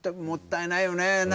もったいないよね。